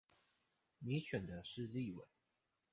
你選的是立委